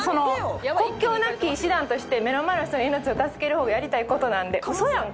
「国境なき医師団として目の前の人の命を助けるほうがやりたいことなんで」